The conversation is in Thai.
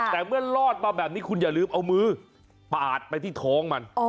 แต่เมื่อรอดมาแบบนี้คุณอย่าลืมเอามือปาดไปที่ท้องมัน